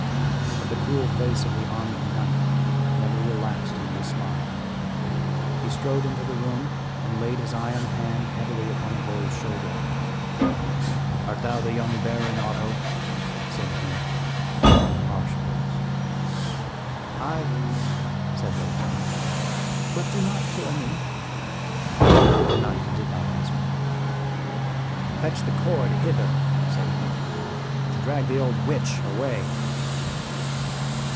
But the cruel face of the armed knight never relaxed into a smile; he strode into the room and laid his iron hand heavily upon the boy's shoulder. "Art thou the young Baron Otto?" said he, in a harsh voice. "Aye," said the lad; "but do not kill me." The knight did not answer him. "Fetch the cord hither," said he, "and drag the old witch away."